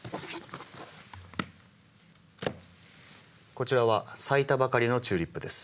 こちらは咲いたばかりのチューリップです。